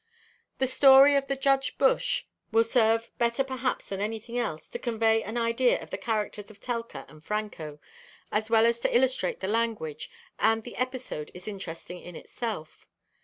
The "Story of the Judge Bush" will serve, better perhaps than anything else, to convey an idea of the characters of Telka and Franco, as well as to illustrate the language; and the episode is interesting in itself.